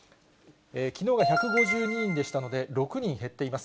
きのうは１５２人でしたので、６人減っています。